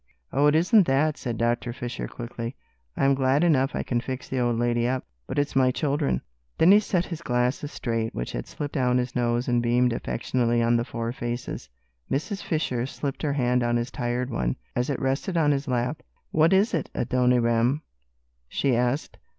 "Oh, it isn't that!" said Doctor Fisher, quickly, "I'm glad enough I can fix the old lady up; but it's my children." Then he set his glasses straight, which had slipped down his nose, and beamed affectionately on the four faces. Mrs. Fisher slipped her hand on his tired one, as it rested on his lap. "What is it, Adoniram?" she asked.